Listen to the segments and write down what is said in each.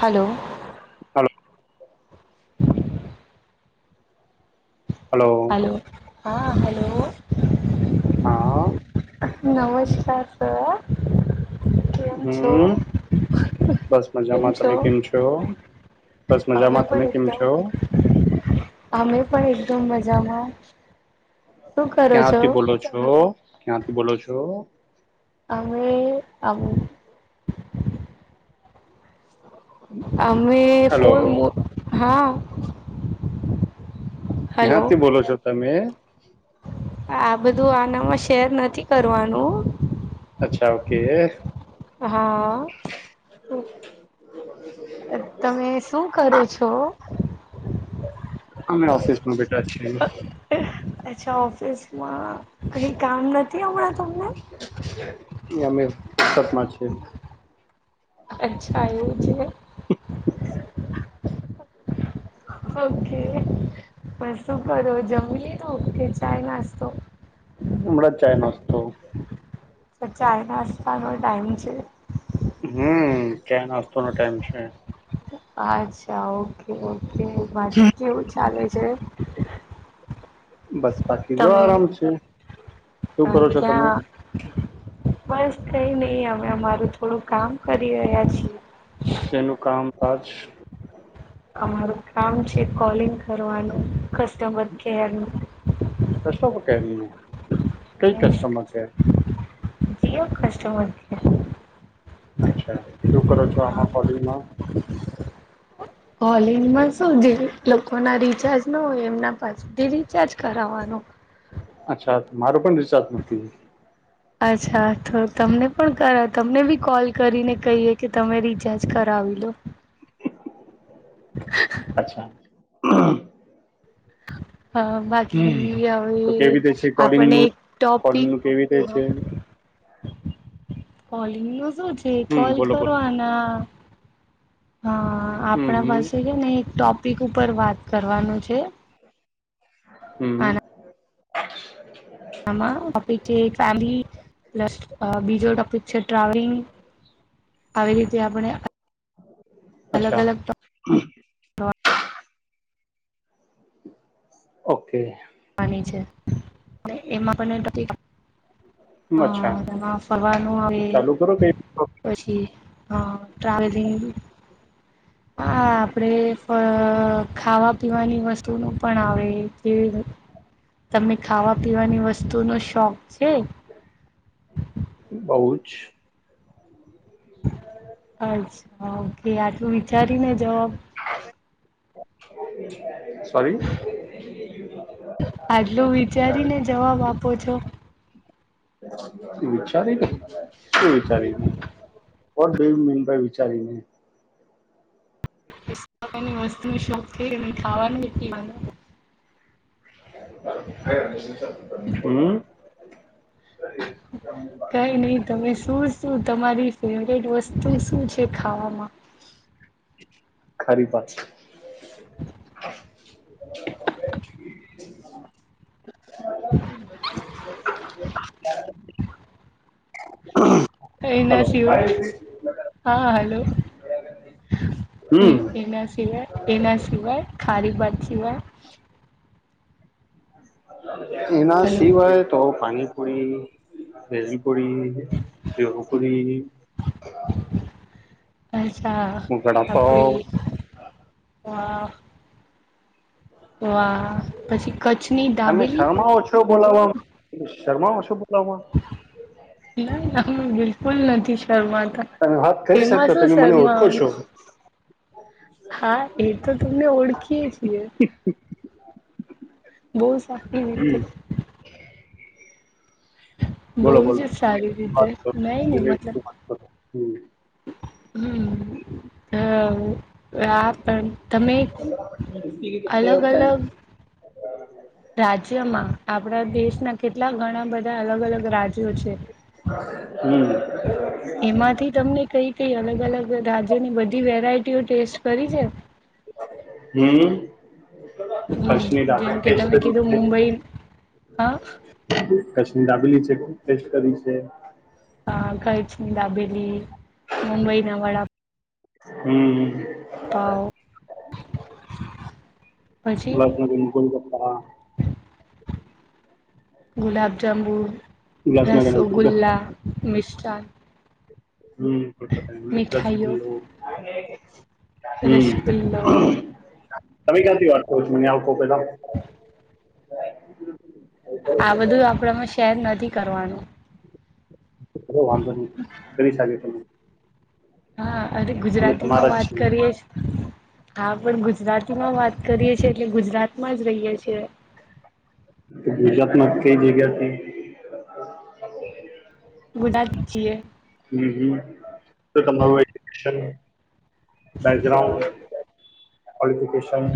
Hello. Hello hello હા hello. હા નમસ્કાર સર. કેમ છો હમ, બસ મજામાં. તમે કેમ છો? બસ અમે મજામાં તમે પણ કેમ એકદમ. છો અમે પણ એકદમ મજામાં. શું કરો છો ક્યાંથી બોલો છો? ક્યાંથી બોલો છો? અમે અમે હલો તોય મોં હલો ક્યાંથી બોલો છો તમે? આ બધું આનામાં શેર નથી કરવાનું. અચ્છા ઓકે. હા. તમે શું કરો છો? અમે ઓફિસમાં બે થા છી. ચ્છા ઓફિસમાં કંઈ કામ નથી અમણાં તમને? [unintelligible] માં છે. અચ્છા એવું છે. ઓ કે. પણ શું કરો? જમી લીધું કે ચાય નાસ્તો? તો પણ ચાય નાસ્તાનો ટાઈમ છે? હમ્મ, ચાય નાસ્તાનો ટાઈમ છે. આચ્છા, ઓ કે. ઓ કે, પાછું કેવું ચાલે છે? બસ બાકી જો તમે આરામ છે શું અ કરો છો તમે ક્યાં બસ, કંઈ નઈ અમે અમારું થોડું કામ કરી રહ્યા છીએ. શેનું કામ પાંચ અમારું કામ છે કોલિંગ કરવાનું કસ્ટમર કેરનું કસટમર કેર [unintelligible] કઈ customer care? Jio customer care. અચ્છા, શું કરો છો આમાં કોલિંગમાં? કોલિંગ માં શું જે લોકો ના રિચાર્જ ન હોય એમના પાસેથી રિચાર્જ કરાવાનો. અચ્છા, મારો પણ રિચાર્જ નથી. અચ્છા, તો તમને પણ તમને ભી કોલ કરીને કહીએ કે તમે રિચાર્જ કરાવી લો. અચ્છા. અમ્મહ. હા, બાકી હવે તો કેવી રીતે છે કોલિંગ આપને નું એક કોલિંગ ટોપિક નું કેવી રીતે છે કોલિંગનું શું છે હમ કોલ બોલો બોલો કરવાના હા, હમ આપણા હમ પાસે કે ન એક ટોપ પિક પર વાત કરવાનું છે. હમ્મ. [inaudible] આમાં આપણી જે ફેમલી લસ્ટ અ બીજો ટોપિક છે ટ્રાવેલિંગ. આવી રીતે આપણે અચ્છા અલગ-અલગ ઓકે. માંની છે અને એમાં બન્ને માંથી અચ્છા હા, એમાં ફરવાનું આવે ચાલુ કરો કઈ પછી હા ટ્રાવેલિંગ હા આપણેે પણ ખાવા પીવાની વસ્તુ નું પણ આવે તમે ખાવા પીવાની વસ્તુનો શોખ છે. બઉુ જ. આજ હા. એ આટલું વિચારીને જવાબ. [unintelligible] [inaudible] આટલું વિચારીને જવાબ આપો છો. વિચારીને શું વિચારીને વડ [inaudible] મીનભાઈ‌ વિચારીને. એની વસ્તુની શોધ થઈ અને ખાવાની એટલી માનું. હું. [unintelligible] કઈ [inaudible] નહી તમે શું શું તમારી ફેવરિટ વસ્તુ શું છે. શીખાવાવામાં. ખરી પા [unintelligible] [inaudible] [unintelligible] [inaudible] [inaudible] એના હલો સિવાય હા હલો. એ‌ હમ એના છેવા. એના સિવાય ખારી ભાત સિવાય. [unintelligible] એના હલો સિવાય તો પાની પુરી, દહીપુરી, સેવપુરી આહે. હા, વડાપાવ આપડી વાહ! તો વા પછી કચ્છની દાબેલી શરમાઓ છો બો લાઈન રાખીલો બિલકુલ નથી સ શર્માતા. તમે વાત કરી એમાં શકતા શું તમે મને ઓળખો છો શર્માવાનું? હા, એ તો તમને ઓળખીએ છીએ. બહુ સારી રીતે. બહુ બોલો જ બોલો સારી રીતે વાત કરો નઈ નહીં મતલબ. વાત કરો હમ હું, હમ, હા. પણ તમે અલગ અલગ પડા દેશના કેટલા ઘણા બધા અલગ અલગ રાજ્યો છે. હમ. કંઈ અલગ અલગ રાજ્યની બધી વેરાયટીઓ ટેસ્ટ કરી છે? હમ. હમ અસ્મિતા જેમ કે ટેસ્ટ તમે કરું કીધું કે? મુંબઈ હા કશ તે દાબેલી છ. તે ટેસ્ટ કરી છે? હા, કઈછની દાબેલી મુંબઈના વડા હમ. પાાવ ઉલ્લાસનગરનો કોઈ પ અઆ ગુલાબ જાંબુન, ઉલ્લાસનગર ગોલગપ્પા રસોગુલ્લા, મિસ્ટ તાન તમે રસગુલ્લો ક્યાંથી વાત કરો છો? ન્યા આવું [unintelligible] [inaudible] આ બધું આપડામાં શેર નથી કરવાનું. વાંધો નહી [unintelligible] હા. અરે અમે ગુજરાતીમાં તમારા જ વાત છીએ કરીએ જ. હા પણ ગુજ રાતી માં વાત કરીએ. છે એટલે ગુજરાત માં જ રહીએ છીએ. તો કઈ જગ્યાથી. [unintelligible] હમ્મ હમ્મ તો તમારું. [unintelligible] બેગ્રાઉન્ડ. કોલીફીકેશન.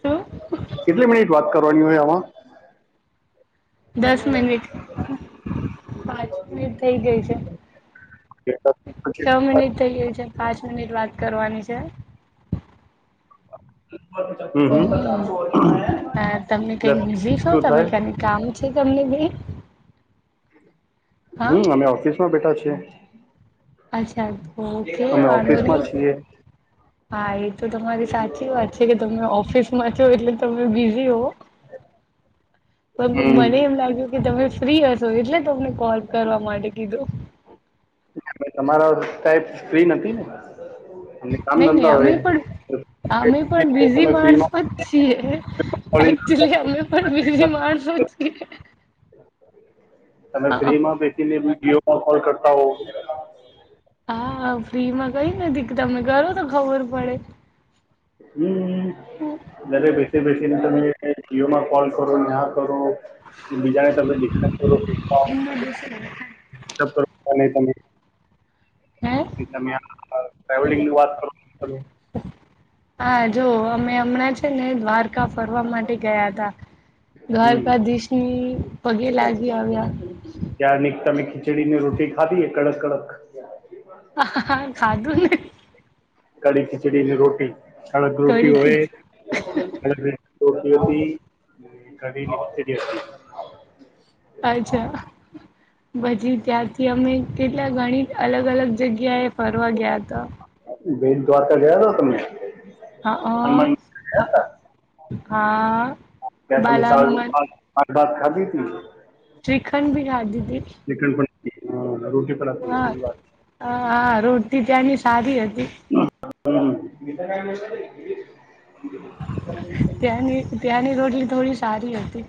શું કેટલી મિનિટ વાત કરવાની હોય આમાં? દસ મિનિટ પાંચ મિનિટ થઈ ગઈ છે કે દસ છ પચીસ? મિનિટ થઈ ગઈ છે પાંચ મિનિટ વાત કરવાની છે. [inaudible] હમ્મ હમ્મ હમ હા તમે કઈ બીઝી [unintelligible] છો શું તમે થાય. કઈ [unintelligible] હા હમ્મ અમે ઓફિસ માં બેઠા છે. છે. અચ્છા ઓકે વાંધો નહી ઓફિસમાં છીએ હા એ તો તમારી સાચી વાત છે કે તમને ઓફિસ માં છો એટલે તમે બિઝી હોવ. પણ હમ મને એમ લાગ્યું કે તમે ફ્રી હશો એટલે તમને કોલ કરવા માટે કીધું. તમારો ટાઈપ ફ્રી નથી ને અમને કામ નઈ નહી ધંધા અમે હોય પણ તો અમે પણ બીઝી તમે માણસો જ છીએ ફ્રીમાં એકચુલી અમે પણ બીઝ માણસો. [inaudible] તમે હા ફ્રી માં બેસી ને [unintelligible] ફોન કોલ કરતા હો. હા ફ્રીમાં કઈ નથી તમે કરો તો ખબર પડે. હમ્મ ઘરે બેસી બેસીને તમે એ જીયો માં કોલ કરો ને અ કરો અને બીજાને તમે ડિસ્ટર્બ કરો [unintelligible] તમે હે ટ્રાવેલિંગની વાત કરો તમે હા જો અમે હમણાં છે ને દ્વારકા ફરવા માટે ગયા હતા દ્વારકાધીશની પગે લાગી આવ્યા ત્યાં, તમે ખીચડી ની રોટી ખાધી? કડક કડક. હાા ખાધું ને. કળી ખિચડી ની રોટી. કડક રોટી કડી હોય. ખીચ કડક રોટી હતી કઢી હતી. અચ્છા પછી ત્યાારથી કે અમે કેટલા ગણી અલગ અલગ જગ્યાએ ફરવા ગયા હતા. બેટ દ્વારકા ગયા હતા તમે? હા હનુમાન હા હ. હા. બાલાનુંમન [unintelligible] [unintelligible] ખાદી તી શ્રિખંડ બિહારડી ચ [unintelligible] હ [inaudible] હા રોટી ત્યાંની સારી હતી હમ [inaudible] ત્યાંની રોટલી થોડી [inaudible] હતી.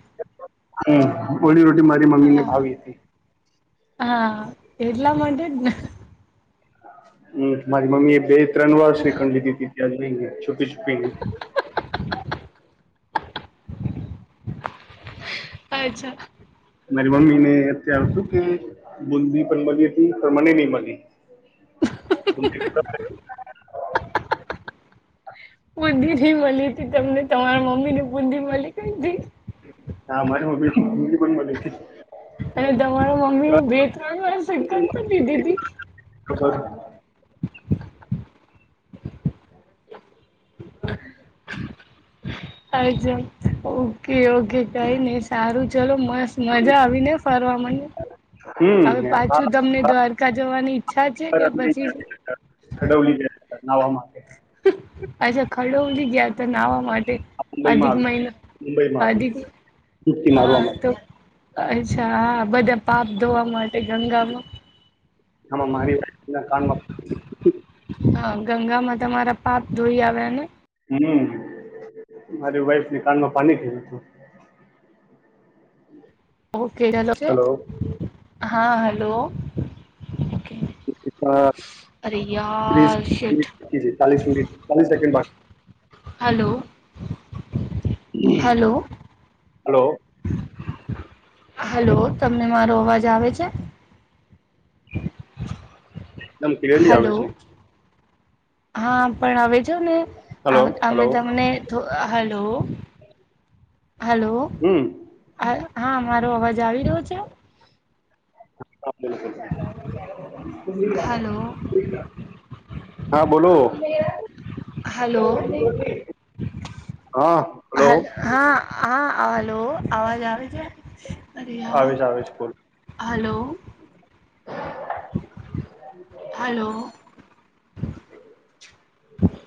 હ ઓલી રોટી મારી મમ્મી ની હા. ભાવી હતી હા એટલા માટે જ હમ મારી મમ્મી એ બે ત્રણ વાર શ્રીખંડ લીધી હતી એ [inaudible] પિજપેરી [inaudible] અચ્છા મારી મમ્મી ને અત્યારે શું કે બુંદી પણ બની હતી પણ મને નહી મળી બ [inaudible] બ [inaudible] મળી હતી તમને તમારા મમીને બૂદી મળી ક્યાં થી મારી મમ્મી મમ્મી પણ મળી હતી અને તમારા મમ્મી બે ત્રણ વર્ષ પણ દીધીી [inaudible] ખબર હમ [inaudible] અછ ઓકે ઓકે કઈ ને સારું ચલો મજા આવી ને ફરવા મ હમ હવે હા પાછું તમને દ્વારકા જવાની ઈચ્છા છે કે પછી નવા માટે અચ્છા ખડોલી થી ગયા હતા આ મુંબઈમાં અધિક આવી મહિના મુંબઈમાં આવી અધિક ડૂબકી હા મારવા માટે તો અચ્છા હા બધા પાપ ધોવા મળે આ મારી કમાં [inaudible] હ ગંગામાં તમારા પાપ ધોઈ આવ્યા ને હમ મારી વાઈફ ની કાનમાં પાણી થયું હતું હ [inaudible] કેટલ છે હલો [inaudible] હા હલો ઓકે અરે ત્રીસ યાર શેઠ કે ચાલીસ મિનિટ ચાલીસ સેકન્ડ બાકી હલો હલો હલો હલો તમને મારો અવાજ જ આવે છે. એકદમ ક્લિયર્લી આવે હલો છે. હા. પણ હવે છે ને હલો અમે હલો તમને. હલો. હલો. હમ હા. મારો અવાજ આવી રહ્યો છે? [inaudible] હલો [inaudible] હા, બોલો. હલો, હા હ હલો હા હા. હલો, આવાજ આવે છે. અરે આવે યાર, છે આવે છે બોલો હેલો, હેલો, [inaudible]